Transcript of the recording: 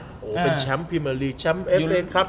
โอ้โหเป็นแชมป์พรีเมอร์ลีแชมป์เอฟเลสครับ